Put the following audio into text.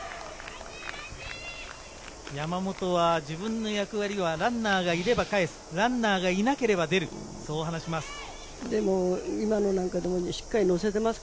山本は自分の役割はランナーがいれば返す、ランナーがいなければ出る、そう話します。